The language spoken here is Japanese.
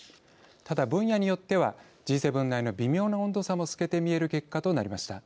ただ、分野によってはＧ７内の微妙な温度差も透けて見える結果となりました。